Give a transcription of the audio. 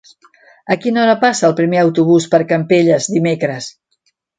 A quina hora passa el primer autobús per Campelles dimecres?